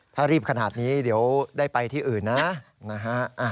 ถ้ารีบขนาดนี้เดี๋ยวได้ไปที่อื่นนะนะฮะ